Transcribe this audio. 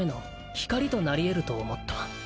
「光となりえると思った」